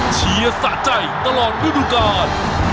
เชียสะใจตลอดดูดุกาล